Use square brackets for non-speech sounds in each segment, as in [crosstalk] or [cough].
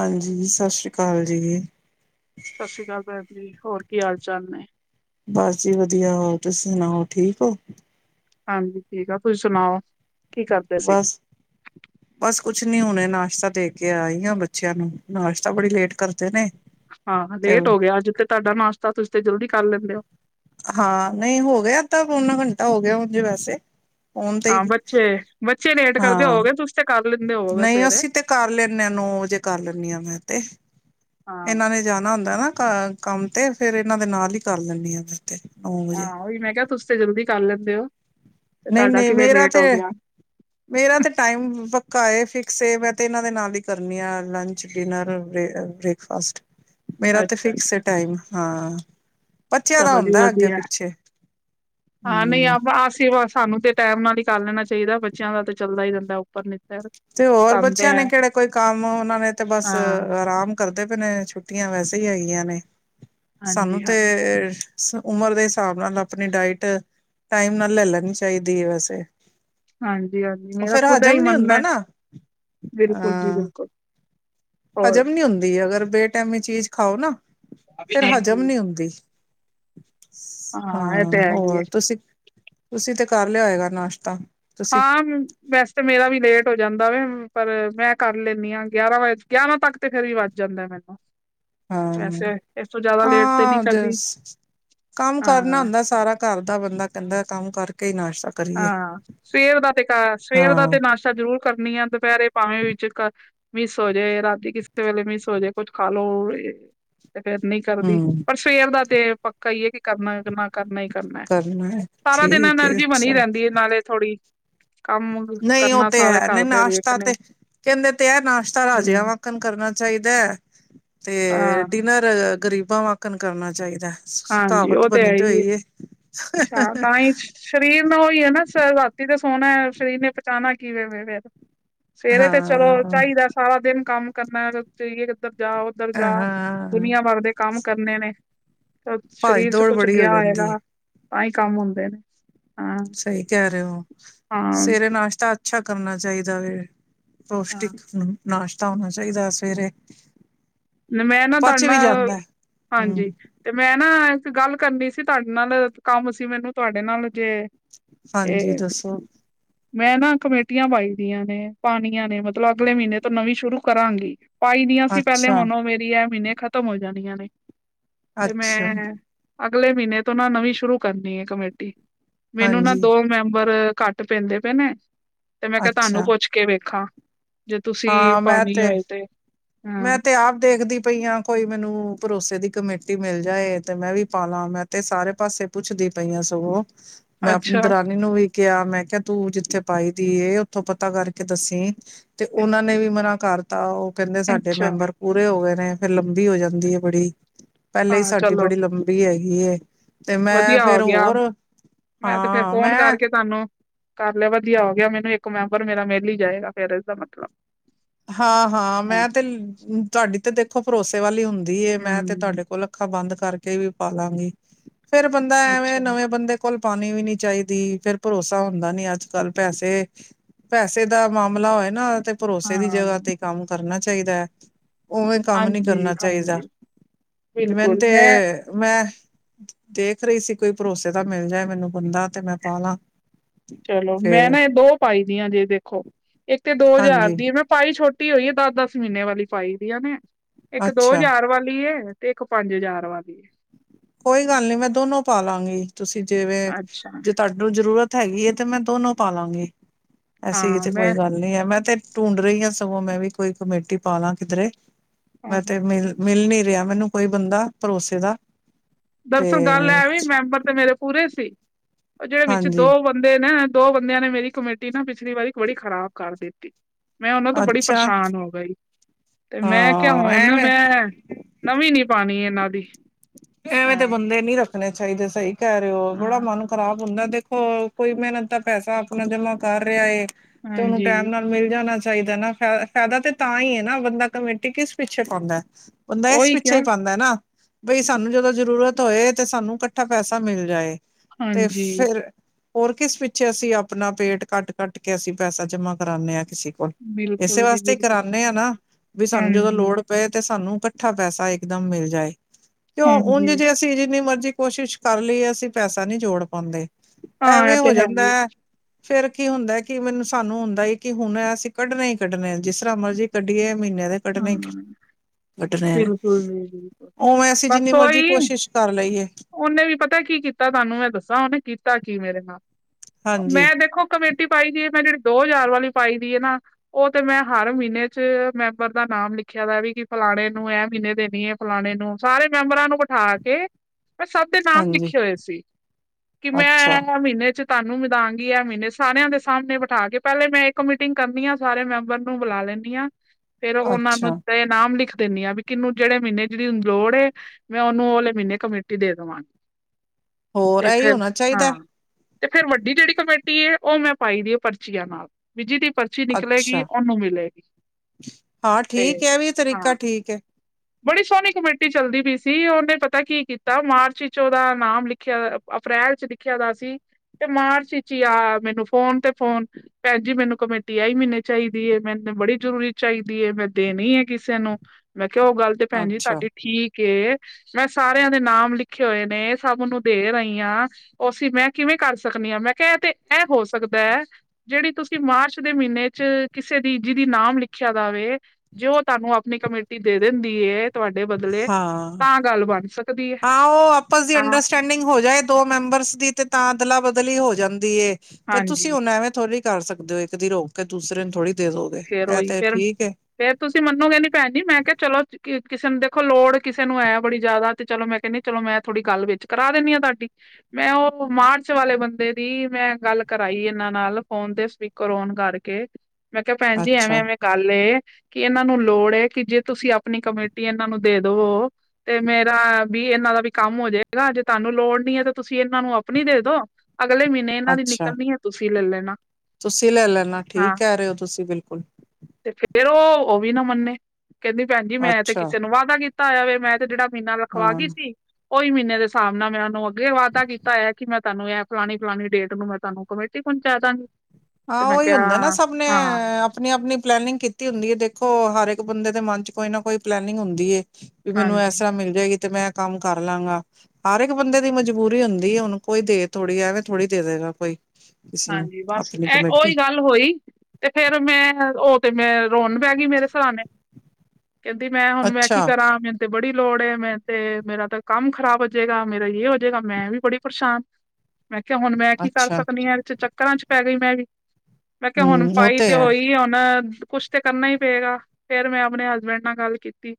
ਹਾਂਜੀ ਸਤਿ ਸ਼੍ਰੀ ਅਕਾਲ ਜੀ। ਸਤਿ ਸ਼੍ਰੀ ਅਕਾਲ ਭੈਣਜੀ ਹੋਰ ਕੀ ਹਾਲ ਚਾਲ ਨੇ। ਬਸ ਜੀ ਵਧੀਆਂ, ਹੋਰ ਤੁਸੀ ਸੁਣਾਓ ਠੀਕ ਹੋ। ਹਾਂਜੀ ਠੀਕ ਆ, ਤੁਸੀ ਸੁਣਾਓ। ਕੀ ਕਰਦੇ ਸੀ ਬਸ। ਬਸ ਕੁੱਛ ਨੀ ਹੁਣੇ ਨਾਸ਼ਤਾ ਦੇ ਕੇ ਆਈ ਆ ਬੱਚਿਆਂ ਨੂੰ, ਨਾਸ਼ਤਾ ਬੜੀ ਲੇਟ ਕਰਦੇ ਨੇਂ। ਹਾਂ -ਹਾਂ ਲੇਟ ਹੋ ਗਿਆਂ ਅੱਜ ਤੇ, ਤੁਹਾਡਾ ਨਾਸ਼ਤਾ ਤੁਸੀ ਤੇ ਜਲਦੀ ਕਰ ਲੈਂਦੇਂ ਹੋ। ਹਾਂ, ਨਹੀ ਹੋ ਗਿਆਂ ਅੱਧਾ ਪੋਨਾ ਘੰਟਾ ਹੋ ਗਿਆਂ ਓਝ ਵੈਸੇ। ਹੁਣ ਤੇ ਹਾਂ ਹੀ ਬੱਚੇ ਬੱਚੇ ਲੇਟ ਕਰਦੇ ਹਾਂ, ਹੋਗੇ ਤੁਸੀਂ ਤੇ ਕਰ ਲੈਂਦੇ ਹੋਗੇ ਨਹੀਂ ਸਵੇਰੇ ਅਸੀ ਤੇ ਕਰ ਲੈਦੇ ਹਾਂ ਨੋ ਵਜ਼ੇ। ਕਰ ਲੱਨੀ ਆ ਮੈਂ ਤੇ। ਹਾਂ ਇਹਨਾਂ ਨੇ ਜਾਣਾਂ ਹੁੰਦਾਂ ਨਾ ਕੰਮ ਤੇ, ਫ਼ਿਰ ਇਹਨਾਂ ਦੇ ਨਾਲ ਹੀ ਕਰ ਲੈਣੀ ਹਾ ਮੈਂ ਤੇ ਨੋ। ਹਾਂ, ਉਹੀ ਮੈਂ ਕਿਹਾਂ ਤੁਸੀਂ ਤੇ ਜਲਦੀ ਕਰ ਲੈਂਦੇ ਹੋ। ਤੇ ਨਹੀਂ- ਤੁਹਾਡਾ ਨਹੀਂ ਕਿਵੇਂ ਮੇਰਾ ਲੇਟ ਤੇ। ਹੋ ਗਿਆ ਮੇਰਾ ਤੇ ਟਾਇਮ ਪੱਕਾ ਏਂ ਫਿਕਸ ਏਂ ਮੈਂ ਤੇ ਇਹਨਾਂ ਦੇ ਨਾਲ ਹੀ ਕਰਨੀ ਆ ਲੰਚ, ਡਿਨਰ। ਬ੍ਰੇਫਾਸਟ। [inaudible] ਮੇਰਾ ਤਾਂ ਅੱਛਾ ਫਿਕਸ ਹੈ ਅੱਛਾ ਟਾਈਮ ਹਾਂ। ਬੱਚਿਆਂ ਦਾ ਚਲੋ ਜੀ ਹੁੰਦਾ ਅੱਗੇ ਵਧੀਆ, ਪਿੱਛੇ ਹਾਂ ਨਹੀਂ ਹੂੰ ਆਪ ਅਸੀਵਾ ਸਾਨੂੰ ਤੇ ਟਾਈਮ ਨਾਲ ਹੀ ਕਰ ਲੈਣਾ ਚਾਹੀਦਾ, ਬੱਚਿਆਂ ਦਾ ਤੇ ਚੱਲਦਾ ਹੀ ਰਹਿੰਦਾ ਉੱਪਰ ਨ ਤੇ ਹੋਰ ਬੱਚਿਆਂ ਨੇ ਕਿਹੜੇ ਕੋਈ ਕੰਮ, ਉਹਨਾਂ ਨੇ ਤੇ ਬਸ ਹਾਂ ਆਰਾਮ ਕਰਦੇ ਪਏ ਨੇ, ਛੁੱਟੀਆਂ ਵੈਸੇ ਹੀ ਹੈਗੀਆਂ ਨੇ, ਹਾਂਜੀ ਸਾਨੂੰ ਤੇ ਹਾਂਜੀ ਉਮਰ ਦੇ ਹਿਸਾਬ ਨਾਲ ਆਪਣੀ ਡਾਇਟ, ਟਾਈਮ ਨਾਲ ਲੈ ਲੈਣੀ ਚਾਹੀਦੀ ਹੈ ਵੈਸੇ ਹਾਂਜੀ -ਹਾਂਜੀ ਉਹ ਮੇਰਾ ਫੇਰ ਖੁਦ ਹੀ ਹਜ਼ਮ ਨੀ ਹੁੰਦਾ ਮੰਨਣਾ, ਨਾ ਬਿਲਕੁਲ ਜੀ ਅਹ ਬਿਲਕੁਲ ਹੋਰ ਹਜ਼ਮ ਨੀ ਹੁੰਦੀ, ਅਗਰ ਬੇਟੈਮੀ ਚੀਜ਼ ਖਾਓ ਨਾ, ਫੇਰ ਹਜ਼ਮ ਹਾਂਜੀ ਨੀ ਹੁੰਦੀ। ਇਹ ਤੇ ਹਾਂ, ਹੈ ਹੀ ਹੈ ਹੋਰ ਤੁਸੀਂ, ਤੁਸੀਂ ਤੇ ਕਰ ਲਿਆ ਹੋਏਗਾ ਨਾਸ਼ਤਾ ਤੁਸੀਂ ਹਾਂ। ਵੈਸੇ, ਮੇਰਾ ਵੀ ਲੇਟ ਹੋ ਜਾਂਦਾ ਵਾ, ਪਰ ਮੈਂ ਕਰ ਲੈਦੀ ਹਾਂ, ਗਿਆਰਾਂ ਵਜੇ, ਗਿਆਰਾਂ ਤੱਕ ਤੇ ਫੇਰ ਵੀ ਵੱਜ ਜਾਂਦਾ। ਹ [unintelligible] ਹਾਂ- ਤੇ ਨਹੀਂ ਹਾਂ ਜ ਕਰਦੀ ਕੰਮ ਕਰਨਾ ਹਾਂ ਹੁੰਦਾ ਸਾਰਾ। ਘਰ ਦਾ ਬੰਦਾ ਕਹਿੰਦਾ ਕੰਮ ਕਰਕੇ ਹੀ ਨਾਸ਼ਤਾ ਕਰਾ। ਹਾਂ ਸਵੇਰ ਦਾ ਤੇ ਸਵੇਰ ਦਾ ਹਾਂ ਤੇ ਨਾਸ਼ਾ ਜ਼ਰੂਰ ਕਰਨੀ ਆ ਦੁਪਹਿਰੇ ਭਾਵੇਂ ਵਿੱਚ ਮਿਸ ਹੋ ਜਾਏ ਰਾਤੀ ਕਿਸੇ ਵੇਲੇ ਮਿਸ ਹੋ ਜਾਏ ਕੁੱਛ ਖਾ ਲੋ ਤੇ ਫਿਰ ਨੀ ਕਰਦੀ ਹਮ ਪਰ ਸਵੇਰ ਦਾ ਤੇ ਪੱਕਾ ਹੈ ਕਿ ਕਰਨਾ ਕਿ ਨਾ। ਕਰਨਾ ਹੀ ਕਰਨਾ ਹੈ ਸਾਰਾ ਦਿਨ ਠੀਕ ਹੈ ਐਨਰਜੀ ਬਣੀ ਅੱਛਾ ਰਹਿੰਦੀ ਹੈ ਨਾਲੇ ਥੋੜ੍ਹੀ ਕੰਮ ਨਹੀਂ ਉਹ ਕਰਨਾ ਤੇ ਸਾਰਾ ਹੈ ਨਹੀਂ ਘਰ ਦੇ ਨਾਸ਼ਤਾ ਵੇਖਣੇ ਤੇ ਕਹਿੰਦੇ ਤੇ ਇਹ ਨਾਸ਼ਤਾ ਰਾਜਿਆਂ ਹੂੰ, ਵਾਂਕਣ ਕਰਨਾ ਚਾਹੀਦਾ ਹੈ। ਤੇ ਹਾਂ, ਡਿਨਰ ਗ਼ਰੀਬਾਂ ਵਾਕਨ ਕਰਨਾ ਚਾਹੀਦਾ। ਹਾਂਜੀ ਕਾਵਤ ਉਹ ਬਣੀ ਤੇ ਹੀ ਏ। ਹੋਈ ਹੈ। ਅੱਛਾ ਤਾਂ ਹੀ ਸਰੀਰ ਨਾ ਉਈ ਹੈ ਨਾ ਰਾਤੀ ਤੇ ਸੋਹਣਾ ਸਰੀਰ ਨੇ ਪਹਚਾਨਣਾ ਕਿਵੇਂ ਵ ਫੇਰ ਸਵੇਰੇ ਤੇ ਚਲੋ ਹਾਂ ਚਾਹੀਦਾ ਸਾਰਾ ਦਿਨ ਕੰਮ ਕਰਨਾ ਚਈਏ ਕਿੱਧਰ ਜਾਓ ਉੱਧਰ ਜਾ ਹਾਂ ਦੁਨੀਆਂ ਭਰ ਦੇ ਕੰਮ ਕਰਨੇ ਨੇ। ਭੱਜ ਸਰੀਰ ਚ ਦੌੜ ਕੁਛ ਬੜੀ ਹੋ ਗਿਆ ਜਾਂਦੀ ਹੈ ਹੋਏਗਾ ਤਾਂ ਹੀ ਕੰਮ ਹੁੰਦੇ ਨੇ। ਹਾਂ, ਸਹੀ ਕਹਿ ਰਹੇ ਹੋ ਹਾਂ। ਸਵੇਰੇ ਨਾਸ਼ਤਾ ਅੱਛਾ ਕਰਨਾ ਚਾਹੀਦਾ ਵੇ। ਹਾਂ ਪੌਸ਼ਟਿਕ ਨਾਸ਼ਤਾ ਹੋਣਾ ਚਾਹੀਦਾ ਸਵੇਰੇ ਮੈਂ ਨਾ ਪਚ ਤੁਹਾਡੇ ਵੀ ਨਾਲ ਜਾਂਦਾ। ਹੂੰ ਹਾਂਜੀ ਤੇ ਮੈਂ ਨਾ ਇੱਕ ਗੱਲ ਕਰਨੀ ਸੀ ਤੁਹਾਡੇ ਨਾਲ ਕੰਮ ਸੀ ਮੈਨੂੰ ਤੁਹਾਡੇ ਨਾਲ ਜੇ ਹਾਂਜੀ ਇਹ ਦੱਸੋ ਮੈਂ ਨਾ ਕਮੇਟੀਆਂ ਬਾਈ ਦੀਆਂ ਨੇ ਪਾਣੀਆਂ ਨੇ ਮਤਲਬ ਅਗਲੇ ਮਹੀਨੇ ਤੋਂ ਨਵੀਂ ਸ਼ੁਰੂ ਕਰਾਂਗੀ ਪਾਈ ਦੀਆਂ ਸੀ ਪਹਿਲੇ ਅੱਛਾ, ਹੁਣ ਉਹ ਮੇਰੀ ਇਹ ਮਹੀਨੇ ਖਤਮ ਹੋ ਜਾਣੀਆਂ ਨੇ ਤੇ ਅੱਛਾ ਮੈਂ ਅਗਲੇ ਮਹੀਨੇ ਤੋਂ ਨਾ ਨਵੀਂ ਸ਼ੁਰੂ ਕਰਨੀ ਹੈ ਕਮੇਟੀ ਮੈਨੂੰ ਨਾ ਹਾਂਜੀ ਦੋ ਮੈਂਬਰ ਘੱਟ ਤੇ ਪੈਂਦੇ ਪਏ ਨੇ ਤੇ ਮੈਂ ਕਿਹਾ ਤੁਹਾਨੂੰ ਅੱਛਾ ਪੁੱਛ ਕੇ ਵੇਖਾਂ। ਜੇ ਤੁਸੀਂ ਹਾਂ ਪਾਣੀ ਹੋਏ ਤੇ ਹਾਂ। ਹਾ ਦੇਖਦੀ ਪਈਆਂ ਕੋਈ ਮੈਨੂੰ ਭਰੋਸੇ ਦੀ ਕਮੇਟੀ ਮਿਲ ਜਾਏ ਤੇ ਮੈਂ ਵੀ ਪਾ ਲਾ ਮੈਂ ਤੇ ਸਾਰੇ ਪਾਸੇ ਪੁੱਛਦੀ ਪਈ ਆ ਸਗੋਂ। ਮੈਂ ਆਪਣੀ ਅੱਛਾ ਦਰਾਨੀ ਨੂੰ ਵੀ ਕਿਹਾ ਮੈਂ ਕਿਹਾ ਤੂੰ ਜਿੱਥੇ ਪਾਈ ਦੀ ਉੱਥੋਂ ਪਤਾ ਕਰਕੇ ਦੱਸੀ। ਤੇ ਉਹਨਾਂ ਨੇ ਵੀ ਮਨਾ ਕਰਤਾ ਉਹ ਕਹਿੰਦੇ ਸਾਡੇ ਅੱਛਾ ਮੈਂਬਰ ਪੂਰੇ ਹੋ ਗਏ ਨੇ ਫੇਰ ਲੰਬੀ ਹੋ ਜਾਂਦੀ ਹੈ ਬੜੀ ਪਹਿਲੇ ਹੀ ਹਾਂ ਸਾਡੀ ਚਲੋ ਬੜੀ ਲੰਬੀ ਹੈਗੀ ਹੈ। ਵਧੀਆ ਹੋ ਗਿਆ ਮੈਂ ਤੇ ਫੇਰ ਹਾਂ ਫੋਨ ਮੈਂ ਕਰਕੇ ਤੁਹਾਨੂੰ ਕਰ ਲਿਆ ਵਧੀਆ ਹੋ ਗਿਆ ਮੈਨੂੰ ਇੱਕ ਮੈਂਬਰ ਮੇਰਾ ਮਿਲ ਹੀ ਜਾਏਗਾ ਫੇਰ ਇਸਦਾ ਮਤਲਬ ਹਾਂ- ਹਾਂ ਹਮ ਮੈਂ ਤੇ ਤੁਹਾਡੀ ਤੇ ਦੇਖੋ ਭਰੋਸੇ ਵਾਲੀ ਹੁੰਦੀ ਮੈਂ ਤੇ ਹਮ, ਤੁਹਾਡੇ ਕੋਲ ਅੱਖਾਂ ਬੰਦ ਕਰਕੇ ਵੀ ਪਾਲਾਂਗੀ ਫੇਰ ਬੰਦਾ ਐਵੇਂ ਅੱਛਾ ਨਵੇਂ ਬੰਦੇ ਕੋਲ ਪਾਨੀ ਵੀ ਨੀ ਚਾਈਦੀ। ਫੇਰ ਭਰੋਸਾ ਹੁੰਦਾ ਨੀ ਆੱਜ-ਕਾੱਲ ਪੈਸੇ ਪੈਸੇ ਦਾ ਮਾਮਲਾ ਹੋਏ ਨਾ ਤੇ ਭਰੋਸੇ ਦੀ ਹਾਂ, ਜਗ੍ਹਾ ਤੇ ਈ ਕੰਮ ਕਰਨਾ ਚਾਈਦੈ। ਉਵੇਂ ਕੰਮ ਨੀ ਕਰਨਾ ਚਾਈਦਾ। ਹਾਂਜੀ-ਹਾਂਜੀ, ਜੀ ਮੇਨੰ ਬਿਲਕੁਲ ਤੇ ਮੈਂ ਮੈਂ ਦੇਖ ਰਈ ਸੀ ਕੋਈ ਭਰੋਸੇ ਦਾ ਮਿਲ ਜਾਏ ਮੈਨੂੰ ਬੁੰਦਾ ਤੇ ਮੈਂ ਪਾ ਲਾਂ। ਚਲੋ ਮੈਂ ਫੇਰ ਨਾ ਏ ਦੋ ਪਾਈ ਦੀਆਂ ਜੇ ਦੇਖੋ ਏੱਕ ਤੇ ਦੋ ਹਜ਼ਾਰ ਹਾਂਜੀ ਦੀ ਐ ਮੈਂ ਪਾਈ ਛੋਟੀ ਹੋਈ ਏ, ਦਸ-ਦਸ ਮਿੰਨ੍ਹੇ ਵਾਲੀ ਪਾਈ ਦੀਆਂ ਨੇ। ਏੱਕ ਦੋ ਅੱਛਾ ਹਜਾਰ ਵਾਲੀ ਏ ਤੇ ਏੱਕ ਪੰਜ ਹਜਾਰ ਵਾਲੀ ਏ। ਕੋਈ ਗੱਲ ਨੀ ਮੈਂ ਦੋਨੋ ਪਾ ਲਾਂਗੀ। ਤੁਸੀ ਜਿਵੇਂ ਅੱਛਾ ਜੇ ਤੁਆ ਨੂੰ ਜਰੂਰਤ ਹੈਗੀ ਏ ਤੇ ਮੈਂ ਦੋਨੋ ਪਾਵਾਂਗੀ। ਐਸੀ ਏ ਹਾਂ ਤੇ ਮੈਂ ਕੋਈ ਗੱਲ ਨੀ ਐ। ਮੈਂ ਤੇ ਢੂੰਡ ਰਈ ਆਂ ਸਗੋਂ ਮੈਂ ਵੀ ਕੋਈ ਕਮੇਟੀ ਪਾਲਾਂ ਕਿੱਧਰੇ। ਮੈਂ ਤੇ ਹਾਂ-ਹਾਂ, ਮੇ ਮਿਲ ਨੀ ਰਿਆ ਮੈਨੂੰ ਕੋਈ ਬੰਦਾ ਭਰੋਸੇ ਦਾ। ਤੇ ਦਰਸਲ ਗੱਲ ਐ ਵੀ ਮੈਂਬਰ ਤੇ ਮੇਰੇ ਪੂਰੇ ਸੀ। ਓ ਜੜੇ ਵਿੱਚ ਦੋ ਹਾਂਜੀ ਵਂ ਦੇ ਨਾ ਦੋ ਬੰਦਿਆਂ ਨੇ ਮੇਰੀ ਕਮੇਟੀ ਨਾ ਪਿਛਲੀ ਵਾਰੀ ਬੜੀ ਖ਼ਰਾਬ ਕਰ ਦਿੱਤੀ। ਮੈਂ ਓਨਾਂ ਤੋਂ ਬੜੀ ਅੱਛਾ ਪਰਸ਼ਾਨ ਹੋ ਗਈ ਤੇ ਮੈਂ ਕਿਆ ਹਾਂ ਹੁਨ ਐਵੇਂ ਮੈਂ ਮੈਂ ਵੀ ਨੀ ਪਾਨੀ ਏਨਾਂ ਦੀ। ਐਵੇਂ ਤੇ ਬੰਦੇ ਨੀ ਰੱਖਨੇ ਚਾਈਦੇ। ਸਈ ਕੈ ਰਏ ਓ ਬੜਾ ਹਾਂ-ਹਾਂ, ਮਨ ਖਰਾਬ ਹੁੰਦੈ ਦੇਖੋ ਕੋਈ ਮਿਹਨਤ ਦਾ ਪੈਸਾ ਆਪਣਾ ਜਮਾਂ ਕਰ ਰਿਆ ਏ ਤੇ ਓਨੂੰ ਹਾਂਜੀ। ਟੈਮ ਨਾਲ ਮਿਲ ਜਾਨਾ ਚਾਈਦੈ ਨਾ। ਫ ਫੈਦਾ ਤੇ ਤਾਂ ਈ ਏ ਨਾ ਬੰਦਾ ਕਮੇਟੀ ਕਿਸ ਪਿੱਛੇ ਪਾਂਦੈ। ਬੰਦਾ ਐੱਸ ਉਹੀ ਕਿਆ ਪਿੱਛੇ ਈ ਪਾਂਦੈ ਨਾ ਬਈ ਸਾਨੂੰ ਜਦੋਂ ਜਰੂਰਤ ਹੋਏ ਤੇ ਸਾਨੂੰ ਕੱਠਾ ਪੈਸਾ ਮਿਲ ਜਾਏ ਤੇ ਹਾਂਜੀ ਫੇਰ ਹੋਰ ਕਿਸ ਪਿੱਛੇ ਅਸੀਂ ਆਪਣਾ ਪੇਟ ਕੱਟ-ਕੱਟ ਕੇ ਅਸੀ ਪੈਸਾ ਜਮਾ ਕਰਾਂਨੇ ਆਂ ਕਿਸੀ ਕੋ ਲ ਇਸੇ ਬਿਲਕੁਲ ਜੀ ਵਾਸਤੇ ਬਿਲਕੁਲ ਕਰਾਨੇਂ ਆਂ ਨਾ ਵੀ ਸਾਨੂੰ ਜਦੋਂ ਹਾਂਜੀ ਲੋੜ ਪਏ ਤੇ ਸਾਨੂੰ ਕੱਠਾ ਪੈਸਾ ਇਕਦਮ ਮਿਲ ਜਾਏ। ਤੇ ਓ ਓਂਝ ਹਾਂਜੀ ਜੇ ਅਸੀਂ ਜਿੰਨੀ ਮਰਜ਼ੀ ਕੋਸ਼ਿਸ਼ ਕਰ ਲਈਏ ਅਸੀ ਪੈਸਾ ਨਈ ਜੋੜ ਪਾਂਦੇ। ਹਾਂ ਇਹ ਐਵੇਂ ਹੋ ਤੇ ਹੈ ਜਾਂਦੈ ਹੀ ਫੇਰ ਕੀ ਹੁੰਦੈ ਕਿ ਮੈਨੂੰ ਸਾਨੂੰ ਹੁੰਦਾ ਈ ਏ ਕਿ ਹੁਨ ਐ ਅਸੀ ਕੱਢਨੇ ਈ ਕੱਢਨੇ ਐ। ਜਿਸਰ੍ਹਾਂ ਮਰਜੀ ਕੱਢੀਏ, ਮਿੰਨ੍ਹੇ ਦੇ ਹਾਂ ਕੱਢਣੇ ਈ ਕੱਢਣੇ ਨੇ, ਬਿਲਕੁਲ ਜੀ ਬਿਲਕੁਲ ਉਵੇਂ ਅਸੀ ਜਿੰਨੀ ਮਰਜੀ ਕੋਸ਼ਿਸ਼ ਕਰ ਲਈਏ ਓਨੇ ਵੀ ਪਤੈ ਕੀ ਕੀਤਾ ਸਾਨੂੰ ਮੈਂ ਦੱਸਾਂ ਓਨੇ ਕੀਤਾ ਕੀ, ਮੇਰੇ ਨਾਲ। ਹਾਂਜੀ ਮੈਂ ਦੇਖੋ ਕਮੇਟੀ ਪਾਈ ਦੀ ਏ ਮੈਂ ਜੜੀ ਦੋ ਹਜਾਰ ਵਾਲੀ ਪਾਈ ਦੀ ਏ ਨਾ ਓ ਤੇ ਮੈਂ ਹਰ ਮਿੰਨ੍ਹੇ 'ਚ ਮੈਂ ਸੱਭ ਦਾ ਨਾਮ ਲਿਖਿਆ ਦਾ ਵੀ ਕਿ ਫਲਾਨੇ ਨੂੰ ਐ ਮਿੰਨ੍ਹੇ ਦੇਨੀ ਏ, ਫਲਾਨੇ ਨੂੰ। ਸਾਰੇ ਮੈਂਬਰਾਂ ਨੂੰ ਬਠਾ ਕੇ ਮੈਂ ਸੱਭ ਦੇ ਨਾਮ ਹਾਂਜੀ ਲਿੱਖੇ ਹੋਏ ਸੀ ਕਿ ਅੱਛਾ ਮੈਂ ਓ ਮਿੰਨ੍ਹੇ 'ਚ ਤਾਨੂੰ ਮੈ ਦਾਂਗੀ ਐ ਮਿੰਨ੍ਹੇ। ਸਾਰਿਆਂ ਦੇ ਸਾਹਮਣੇ ਬਠਾ ਕੇ, ਪੈਲੇ ਮੈਂ ਏੱਕ ਮੀਟਿੰਗ ਕਰਨੀ ਆਂ ਸਾਰੇ ਮੈਂਬਰ ਨੂੰ ਬਲਾ ਲੇਨੀਂ ਆਂ। ਫੇਰ ਓਨਾ ਨੂੰ ਅੱਛਾ ਤੇ ਨਾਮ ਲਿੱਖ ਦੇਨੀ ਆਂ ਵੀ ਕਿੰਨੂੰ ਜੜੇ ਮਿੰਨ੍ਹੇ ਜਿਦੀ ਉਨੰ ਲੋੜ ਏ ਮੈਂ ਓਨੂੰ ਓਲੇ ਮਿੰਨ੍ਹੇ ਕਮੇਟੀ ਦੇ ਦਵਾਂ। ਹੋਰ ਤੇ ਇਹੀ ਫੇਰ, ਹੋਣਾ ਚਾਹੀਦਾ ਹਾਂ। ਤੇ ਫੇਰ ਵੱਡੀ ਜੜੀ ਕਮੇਟੀ ਏ, ਓ ਮੈਂ ਪਾਈ ਦੀ ਏ ਪਰਚੀਆਂ ਨਾਲ ਬਈ ਜਿਦੀ ਪਰਚੀ ਨਿਕਲੇਗੀ, ਅੱਛਾ ਓਨੂੰ ਮਿਲੇਗੀ। ਹਾਂ ਤੇ ਠੀਕ ਏ, ਐ ਵੀ ਹਾਂ ਤਰੀਕਾ ਠੀਕ ਏ। ਬੜੀ ਸੋਨੀ ਕਮੇਟੀ ਚੱਲਦੀ ਪੀ ਸੀ, ਓਨੇ ਪਤੈ ਕੀ ਕੀਤਾ, ਮਾਰਚ ਇੱਚ ਓਦਾ ਨਾਮ ਲਿਖਿਆ ਦੈ ਅਪ੍ਰੈਲ 'ਚ ਲਿਖਿਆ ਦਾ ਸੀ ਤੇ ਮਾਰਚ ਇੱਚ ਈ ਆ ਮੇਨੂੰ ਫੋਨ ਤੇ ਫੋਨ ਪੈਨਜੀ, ਮੇਨੂੰ ਕਮੇਟੀ ਐਈ ਮਿੰਨ੍ਹੇ ਚਾਈਦੀ ਐ ਮੇਨੂੰ ਤੇ ਬੜੀ ਜਰੂਰੀ ਚਾਈਦੀ ਏ, ਮੈਂ ਦੇਨੀ ਏ ਕਿਸੇ ਨੂੰ ਫੇ ਓ ਗੱਲ ਤੇ ਪੈਨਜੀ ਅੱਛਾ ਤੁਆਡੀ ਠੀਕ ਏ। ਮੈਂ ਸਾਰਿਆਂ ਦੇ ਨਾਮ ਲਿੱਖੇ ਹੋਏ ਨੇ, ਸਭ ਨੂੰ ਦੇ ਰਈ ਆਂ ਓਸੀ ਮੈਂ ਕਿਵੇਂ ਕਰ ਸਕਦੀ ਆਂ, ਮੈਂ ਕਿਆ ਐ ਤੇ ਐ ਹੋ ਸਕਦਾ ਐ। ਜੇੜੀ ਤੁਸੀਂ ਮਾਰਚ ਦੇ ਮੀਨੇ 'ਚ ਕਿਸੇ ਦੀ ਜੀਦੀ ਨਾਮ ਲਿਖਿਆ ਦਾ ਵੇ। ਜੇ ਓ ਤਾਨੂੰ ਆਪਣੀ ਕਮੇਟੀ ਦੇ ਦਿੰਦੀ ਏ- ਤੁਆਡੇ ਬਦਲੇ ਹਾਂ ਤਾਂ ਗੱਲ ਬਣ ਸਕਦੀ। ਹਾਂ ਸਟੈਂਡਿੰਗ ਹੋ ਜਾਏ ਦੋ ਮੈਂਬਰਸ ਦੀ ਤੇ ਤਾਂ ਅਦਲਾ- ਬਦਲੀ ਹੋ ਜਾਂਦੀ ਏ, ਤੇ ਤੁਸੀਂ ਹਾਂਜੀ ਹੁਣ ਐਵੇਂ ਥੋਰੀ ਕਰ ਸਕਦੇ ਓ, ਇੱਕ ਦੀ ਰੋਕ ਕੇ ਦੂਸਰੇ ਨੂੰ ਥੋੜ੍ਹੀ ਦੇ ਦੋਗੇ ਫੇਰ ਇਹ ਓਈ ਤੇ ਫੇਰ ਠੀਕ ਹੈ ਫੇਰ ਤੁਸੀਂ ਮੰਨੋਗੇ ਨੀ ਭੈਣ ਜੀ, ਮੈਂ ਕਿਆ ਚਲੋ ਕਿਸੇ ਨੂੰ ਦੇਖੋ ਲੋੜ ਕਿਸੇ ਨੂੰ ਐ ਬੜੀ ਜਾਦਾ ਤੇ ਚਲੋ ਮੈਂ ਕੈਣੀ ਚਲੋ ਮੈਂ ਥੋੜ੍ਹੀ ਗੱਲ ਵਿੱਚ ਕਰਾ ਦਿੰਦੀ ਆਂ ਤਾਡੀ ਮੈਂ ਓ ਮਾਰਚ ਵਾਲੇ ਬੰਦੇ ਦੀ ਮੈਂ ਗੱਲ ਕਰਾਈ ਏਨਾਂ ਨਾਲ ਫੋਨ ਤੇ ਸਪੀਕ ਕਰ‌ ਓਨ ਕਰ ਕੇ। ਮੈਂ ਕਿਆ ਭੈਣਜੀ ਐਵੇਂ ਅੱਛਾ -ਐਵੇਂ ਗੱਲ ਏ ਕੀ ਏਨਾਂ ਨੂੰ ਲੋੜ ਏ, ਕੀ ਜੇ ਤੁਸੀਂ ਆਪਣੀ ਕਮੇਟੀ ਏਨਾਂ ਨੂੰ ਦੇ ਦਵੋ। ਤੇ ਮੇਰਾ ਵੀ ਏਨਾਂ ਦਾ ਵੀ ਕੰਮ ਓ ਜੇਗਾ, ਜੇ ਤਾਨੂੰ ਲੋੜ ਨੀ ਏ ਤਾਂ ਤੁਸੀਂ ਏਨਾਂ ਨੂੰ ਆਪਣੀ ਦੇ ਦੋ। ਅਗਲੇ ਮੀਨੇ ਏਨਾਂ ਦੀ ਅੱਛਾ ਨਿਕਲਣੀ ਏ ਤੁਸੀਂ ਲੱੱਲ ਣਾ। ਤੁਸੀਂ ਲੈ ਲੈਣਾ, ਠੀਕ ਕੈ ਰੇ ਓ ਤੁਸੀਂ ਬਿਲਕੁਲ। ਤੇ ਫੇਰ ਓ ਓਵੀ ਨਾ ਮੰਨੇ, ਕੈਂਦੀ ਭੈਣ ਜੀ ਮੈਂ ਤੇ ਅੱਛਾ ਕਿਸੇ ਨੂੰ ਵਾਦਾ ਕੀਤਾ ਹੋਇਆ ਵੇ ਮੈਂ ਤੇ ਜੇੜਾ ਮੀਨਾ ਲਖਵਾ ਹਾਂ ਗੀ ਸੀ। ਓਈ ਮੀਨੇ ਦੇ ਸਾਬ ਨਾਲ ਮੈਂ ਓਨੂੰ ਅੱਗੇ ਵਾਦਾ ਕੀਤਾ ਗਿਆ, ਕੀ ਮੈਂ ਤਾਨੂੰ ਐ ਫਲਾਣੀ -ਫਲਾਣੀ ਡੇਟ ਨੂੰ ਮੈਂ ਤਾਨੂੰ ਕਮੇ ਪੋਂਚਾਦਾਂਗੀ। ਹਾਂ ਓਈ ਹੁੰਦਾ ਨਾ ਸਭ ਨੂੰ ਹਾਂ। ਆਪਣੀ- ਆਪਣੀ ਪਲੈਨਿੰਗ ਕੀਤੀ ਹੁੰਦੀ ਏ। ਦੇਖੋ ਹਰ ਇੱਕ ਬੰਦੇ ਦੇ ਮਨ 'ਚ ਕੋਈ ਨਾ ਕੋਈ ਪਲੈਨਿੰਗ ਹੁੰਦੀ ਏ। ਵੀ ਮੈਨੂੰ ਹਾਂਜੀ ਐਸਰ੍ਹਾਂ ਮਿਲ ਜੇਗੀ ਤੇ ਮੈਂ ਕੰਮ ਕਰ ਲਾਂਗਾ। ਹਰ ਏਕ ਬੰਦੇ ਦੀ ਮਜਬੂਰੀ ਹੁੰਦੀ। ਹੁਣ ਕੋਈ ਦੇ ਥੋੜੀ ਐਵੇਂ ਥੋੜ੍ਹੀ ਦੇ ਦੇਗਾ ਕੋਈ, ਕਿਸੇ ਨੂੰ। ਹਾਂਜੀ ਬਸ ਆਪਣੀ ਐ ਕਮੇਟੀ ਓਈ ਗੱਲ ਹੋਈ, ਤੇ ਫੇਰ ਮੈਂ ਓ ਤੇ ਮੈਂ ਰੋਣ ਬੈ ਗੀ ਮੇਰੇ ਸਰਾਣੇ। ਕੈਂਦੀ ਮੈਂ ਹੁਣ ਮੈਂ ਕੀ ਅੱਛਾ ਕਰਾਂ ਮਿਨ- ਤੇ ਬੜੀ ਲੋੜ ਏ, ਮੈਂ ਤੇ ਮੇਰਾ ਤਾਂ ਕੰਮ ਖ਼ਰਾਬ ਹੋਜੇਗਾ। ਮੇਰਾ ਯੇ ਹੋਜੇਗਾ ਮੈਂ ਵੀ ਬੜੀ ਪਰਸ਼ਾਨ। ਮੈਂ ਕਿਆ ਹੁਣ ਮੈਂ ਕੀ ਕਰ ਅੱਛਾ ਸਕਨੀ ਆਂ, ਏਦੇ 'ਚ ਚੱਕਰਾਂ 'ਚ ਪੈ ਗੀ ਮੈਂ ਵੀ। ਮੈਂ ਕਿਆ ਹੁਣ ਹਮ ਉਹ ਪਾਈ ਤੇ ਹੈ ਹੋਈ ਹੁਣ ਕੁਛ- ਤੇ ਕਰਨਾ ਈ ਪਏਗਾ, ਫੇਰ ਮੈਂ ਆਪਣੇ ਹਸਬੈਂਡ ਨਾਲ ਗੱਲ ਕੀਤੀ।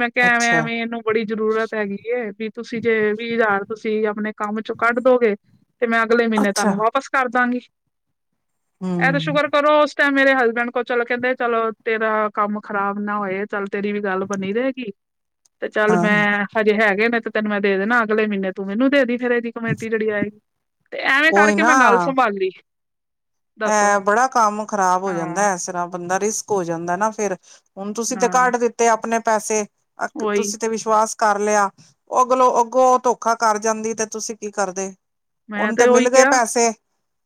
ਮੈਂ ਕਿਆ ਐਵੇਂ ਅੱਛਾ ਐਵੇਂ ਏਨੂੰ- ਬੜੀ ਜ਼ਰੂਰਤ ਹੈਗੀ ਏ, ਵੀ ਤੁਸੀਂ ਜੇ ਵੀਅ ਹ਼ਜ਼ਾਰ ਤੁਸੀਂ ਆਪਣੇ ਕੰਮ 'ਚੋਂ ਕੱਢ ਦੋਗੇ। ਤੇ ਮੈਂ ਅਗਲੇ ਮੀਨੇ ਅੱਛਾ ਤਾਨੂੰ ਵਾਪਸ ਕਰ ਦਾਂਗੀ। ਐ ਤੇ ਹਮ ਸ਼ੁਕਰ ਕਰੋ- ਤੇਂ ਮੇਰੇ ਹਸਬੈਂਡ ਕੋਲ ਚਲੋ ਕੈਂਦੇ ਚਲੋ ਤੇਰਾ ਕੰਮ ਖ਼ਰਾਬ ਨਾ ਓਏ। ਚੱਲ ਤੇਰੀ ਵੀ ਗੱਲ ਬਣੀ ਰ‌ਏਗੀ। ਤੇ ਚੱਲ ਹਾਂ ਮੈਂ- ਹਜੇ ਹੈਗੇ ਨੇ ਤੇ ਤੈਨੂੰ ਮੈਂ ਦੇ ਦੇਣਾ, ਅਗਲੇ ਮੀਨੇ ਤੂੰ ਮਿਨੂੰ ਦੇ ਦੀਂ ਫੇਰ ਏਦੀ। ਕਮੇਟੀ ਜੜੀ ਆਏਗੀ, ਤੇ ਐਵੇਂ ਉਹੀ ਕਰਕੇ ਮੈਂ ਗੱਲ ਸੰਭਾਲੀ‌ ਐ ਬੜਾ ਕੰਮ ਖ਼ਰਾਬ ਹੋ ਜਾਂਦਾ, ਹਾਂ ਐਸਰ੍ਹਾਂ ਬੰਦਾ ਰਿਸਕ ਹੋ ਜਾਂਦਾ ਨਾ ਫੇਰ। ਹੁਣ ਤੁਸੀਂ ਤੇ ਹਾਂ ਕੱਢ ਦਿੱਤੇ ਆਪਣੇ ਪੈਸੇ। ਆ ਉਹੀ ਤੁਸੀਂ ਤੇ ਵਿਸ਼ਵਾਸ- ਕਰ ਲਿਆ। ਅਗਲੋਂ ਅੱਗੋਂ ਓ ਧੋਖਾ ਕਰ ਜਾਂਦੀ ਤੇ ਤੁਸੀਂ ਕੀ ਕਰਦੇ। ਮੈਂ ਓਨੂੰ ਤੇ ਉਹੀ ਮਿਲ ਗਏ ਕਿਹਾ ਪੈਸੇ।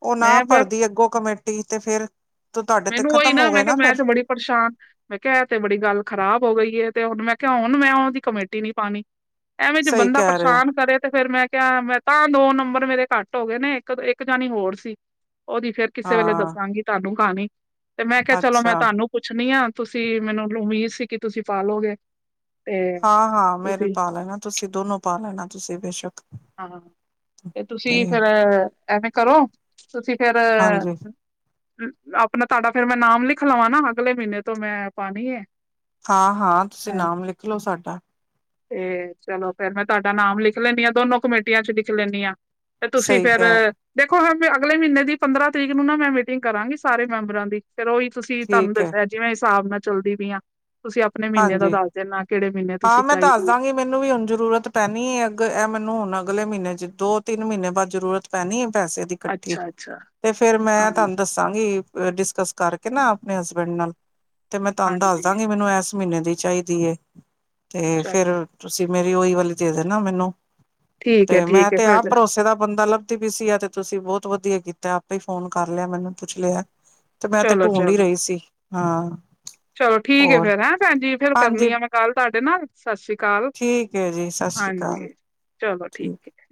ਓ ਨਾ ਮੈਂ ਮੈਂ- ਭਰਦੀ ਅੱਗੋਂ ਕਮੇਟੀ ਤੇ ਫੇਰ- ਤੋ ਤਾਡੇ ਤੇ ਖ਼ਤਮ ਓ ਗਏ ਨਾ ਫੇਰ। ਪਰਸ਼ਾਨ ਮੈਂ ਕਿਆ ਤੇ ਬੜੀ ਗੱਲ ਖਰਾਬ ਹੋ ਗਈ ਏ, ਤੇ ਹੁਣ ਮੈਂ ਕਿਆ ਹੁਣ ਮੈਂ ਓਦੀ ਕਮੇਟੀ ਨੀ ਪਾਣੀ। ਐਵੇਂ ਜੇ ਸਹੀ ਬੰਦਾ ਕਹਿ ਰਹੇ ਹੋ ਪਰਸ਼ਾਨ ਕਰੇ ਤੇ ਫੇਰ ਮੈਂ ਕਿਆ ਮੈਂ- ਤਾਂ ਦੋ ਨੰਬਰ ਮੇਰੇ ਘੱਟ ਹੋ ਗੇ ਨੇ। ਇੱਕ ਇੱਕ ਜਾਣੀ ਹੋਰ ਸੀ, ਓਦੀ ਫੇਰ ਕਿਸੇ ਵੇਲੇ ਹਾਂ ਦੱਸਾਂਗੀ। ਤਾਨੂੰ ਕਾਣੀ- ਤੇ ਮੈਂ ਕਿਹਾ ਚਲੋ ਮੈਂ ਅੱਛਾ ਤੁਹਾਨੂੰ ਪੁੱਛਣੀ ਆ ਤੁਸੀਂ ਮੈਨੂੰ ਉਮੀਦ ਸੀ ਕਿ ਤੁਸੀਂ ਪਾਾਲੋਗੇ ਹਾਂ-ਹਾਂ ਮੇ ਤੇ ਪਾ ਲੈਣਾ ਤੁਸੀਂ ਦੋਨੋ ਪਾ ਲੈਣਾ ਤੁਸੀਂ ਬੇਸ਼ੱਕ ਹਾਂ ਤੇ ਤੁਸੀਂ ਫਿਰ ਐਵੇਂ ਕਰੋ ਤੁਸੀਂ ਫੇਰ ਹਾਂਜੀ ਅਪਣਾ ਤੁਹਾਡਾ ਫੇਰ ਮੈਂ ਨਾਮ ਲਿਖ ਲਵਾਂ ਨਾ ਅਗਲੇ ਮਹੀਨੇ ਤੋਂ ਮੈਂ ਪਾਣੀ ਏ ਹਾਂ-ਹਾਂ ਤੁਸੀਂ ਨਾਮ ਲਿਖ ਲਓ ਸਾਡਾ ਤੇ ਚਲੋ ਫੇਰ ਮੈਂ ਤੁਹਾਡਾ ਨਾਮ ਲਿਖ ਲੈਣੀਦੀ ਆਾਂ ਦੋਨੋ ਕਮੇਟੀਆਂ ਚ ਲਿਖ ਲੈਂਦੀ ਆ ਤੇ ਤੁਸੀ ਸਹੀ ਫੇਰ ਕਹਿ ਦੇਖੋ ਹ ਅਗਲੇ ਮਹੀਨੇ ਦੀ ਪੰਦਰਾਂ ਤਰੀਕ ਨੂੰ ਨਾ ਮੈਂ ਮੀਟਿੰਗ ਕਰਾਂਗੀ ਸਾਰੇ ਮੈਂਬਰਾਂ ਦੀ ਫੇਰ ਉਹੀ ਤੁਸੀਂ ਤੁਹਾਨੂ ਮੇ ਠੀਕ ਹੈ ਦੱਸਿਆ ਜਿਵੇਂ ਹਿਸਾਬ ਨਾਲ ਚੱਲਦੀ ਪਈ ਆ ਤੁਸੀਂ ਆਪਣੇ ਮੀਨੇ ਦਾ ਹਾਂਜੀ ਦੱਸ ਦੇਨਾ ਕਿਹੜੇ ਮੀਨੇ ਹਾਂ ਤੁਸੀਂ ਮੈਂ ਚਾਈ ਦੱਸ ਦੀ ਏ ਦਾਂਗੀ ਮੈਨੂੰ ਵੀ ਹੁਣ ਜ਼ਰੂਰਤ ਪੈਣੀ ਏ ਅੱਗ ਇਹ ਮੈਨੂੰ ਹੁਣ ਅਗਲੇ ਮਹੀਨੇ ਚ ਦੋ ਤਿੰਨ ਮਹੀਨੇ ਬਾਅਦ ਜ਼ਰੂਰਤ ਪੈਣੀ ਏ ਪੈਸੇ ਇਕੱਠੀ ਅੱਛਾ ਅੱਛਾ ਤੇ ਫੇਰ ਮੈਂ ਹਾਂ ਤੁਹਾਨੂੰ ਦੱਸਾਂਗੀ ਡਿਸਕਸ ਕਰਕੇ ਨਾ ਆਪਣੇ ਹਸਬੈਂਡ ਨਾਲ ਤੇ ਮੈਂ ਤੁਹਾਨੂੰ ਹਾਂਜੀ ਦਸਦਾਂਗੀ ਮੈਨੂੰ ਇਸ ਮਹੀਨੇ ਦੀ ਚਾਹੀਦੀ ਹੈ ਤੇ ਫਿਰ ਚਲੋ ਤੁਸੀਂ ਮੇਰੀ ਉਹੀ ਵਾਲੀ ਦੇ ਦੇ ਨਾ ਮੈਨੂੰ ਠੀਕ ਹੈ ਤੇ ਮੈਂ ਠੀਕ ਹੈ ਤੇ ਆਪ ਫਿਰ ਭਰੋਸੇ ਦਾ ਬੰਦਾ ਲੱਭ ਵੀ ਸੀ ਆ ਤੇ ਤੁਸੀਂ ਬਹੁਤ ਵਧੀਆ ਕੀਤਾ ਆਪੇ ਹੀ ਫੋਨ ਕਰ ਲਿਆ ਮੈਨੂੰ ਪੁੱਛ ਲਿਆ ਤੇ ਮੈਂ ਤੇ ਢੂੰਡ ਹੀ ਚਲੋ-ਚਲੋ ਰਹੀ ਸੀ ਹਾਂ ਚਲੋ ਠੀਕ ਹੈ ਹੋਰ ਫੇਰ, ਹੈਂ ਭੈਣਜੀ ਫੇਰ ਕਰਨੀ ਹਾਂਜੀ ਆ ਮੈਂ ਕਾਲ ਤੁਹਾਡੇ ਨਾਲ ਸਤਿ ਸ਼੍ਰੀ ਅਕਾਲ ਠੀਕ ਹੈ ਜੀ ਸਤਿ ਸ੍ਰੀ ਅਕਾਲ ਹਾਂਜੀ ਚਲੋ ਠੀਕ ਏ